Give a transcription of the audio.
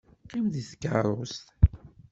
Qqim deg tkeṛṛust.